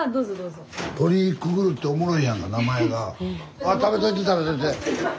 あっ食べといて食べといて。